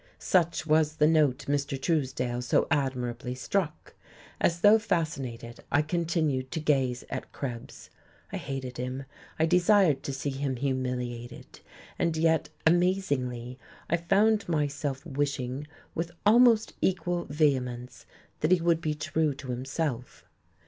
Such was the note Mr. Truesdale so admirably struck. As though fascinated, I continued to gaze at Krebs. I hated him, I desired to see him humiliated, and yet amazingly I found myself wishing with almost equal vehemence that he would be true to himself.